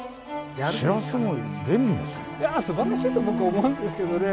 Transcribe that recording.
すばらしいと思うんですけどね。